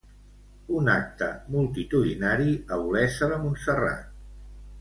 Un acte multitudinari a Olesa de Montserrat.